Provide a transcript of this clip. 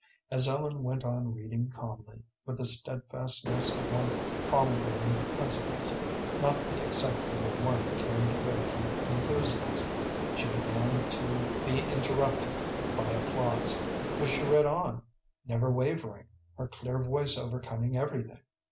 As Ellen went on reading calmly, with the steadfastness of one promulgating principles, not the excitement of one carried away by enthusiasm, she began to be interrupted by applause, but she read on, never wavering, her clear voice overcoming everything.